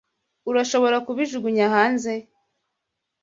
Urashobora kubijugunya hanze?